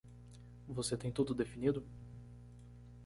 Você tem tudo definido?